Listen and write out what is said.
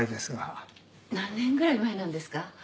何年ぐらい前なんですか？